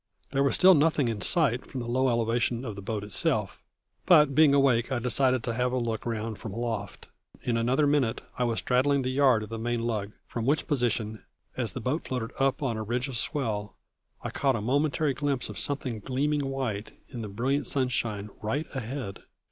There was still nothing in sight from the low elevation of the boat herself, but being awake I decided to have a look round from aloft. In another minute I was straddling the yard of the main lug, from which position, as the boat floated up on a ridge of swell, I caught a momentary glimpse of something gleaming white in the brilliant sunshine right ahead.